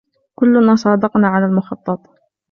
كلنا صادقنا على المخطط.